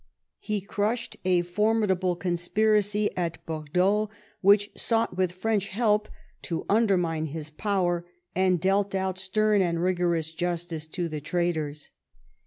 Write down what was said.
He crushed a formid able conspiracy at Bordeaux, which sought with French help to undermine his power, and dealt out stern and rigorous justice to the traitors.